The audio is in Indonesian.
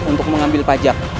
untuk mengambil pajak